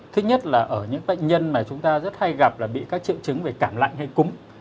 thứ nhất là ở những bệnh nhân mà chúng ta rất hay gặp là bị các triệu chứng về cảm lạnh hay cúng